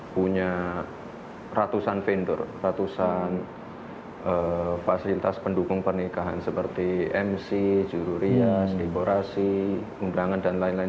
punya ratusan vendor ratusan fasilitas pendukung pernikahan seperti mc jururian eksplorasi pemberangan dan lain lain